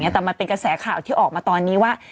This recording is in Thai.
แต่มันเป็นกระแสข่าวที่ออกมาตอนนี้ว่า